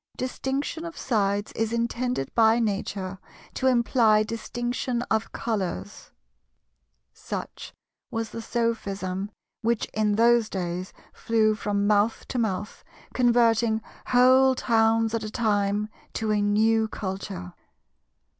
"Distinction of sides is intended by Nature to imply distinction of colours"—such was the sophism which in those days flew from mouth to mouth, converting whole towns at a time to a new culture.